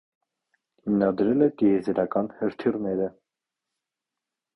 Հիմնադրել է տիեզերական հրթիռները։